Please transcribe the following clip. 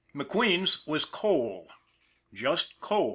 McQueen's was coal just coal.